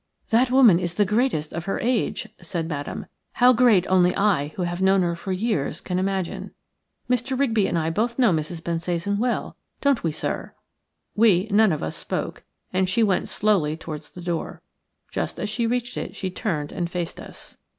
"That woman is the greatest of her age," said Madame. "How great only I who have known her for years can imagine. Mr. Rigby and I both know Mrs. Bensasan well, don't we, sir?" We none of us spoke, and she went slowly towards the door. Just as she reached it she turned and faced us.